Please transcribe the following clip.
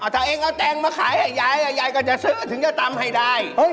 ถ้าเองเอาแตงมาขายให้ยายยายก็จะซื้อถึงจะตำให้ได้